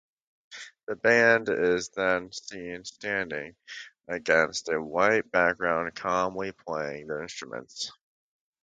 The band is then seen standing against a white background, calmly playing their instruments.